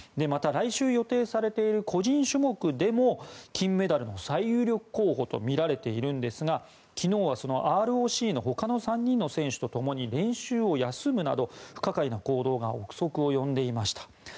また来週予定されている個人種目でも金メダルの最有力候補とみられているんですが昨日は、そのＲＯＣの他の３人の選手と共に練習を休むなど不可解な行動が憶測を呼んでいました。